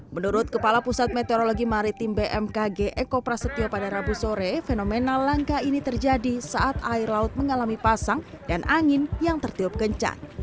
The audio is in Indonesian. menurut kepala pusat meteorologi maritim bmkg eko prasetyo pada rabu sore fenomena langka ini terjadi saat air laut mengalami pasang dan angin yang tertiup kencang